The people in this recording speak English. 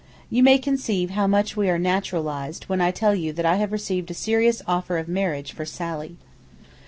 You may conceive how much we are naturalized when I tell you that I have received a serious offer of marriage for Sally.